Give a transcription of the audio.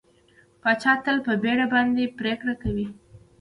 پاچا تل په بېړه باندې پرېکړه کوي کوي.